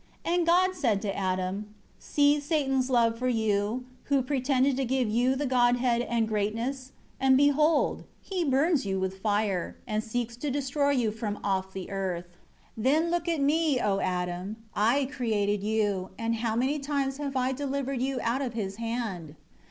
4 And God said to Adam, "See Satan's love for you, who pretended to give you the Godhead and greatness; and, behold, he burns you with fire, and seeks to destroy you from off the earth. 5 Then look at Me, O Adam; I created you, and how many times have I delivered you out of his hand?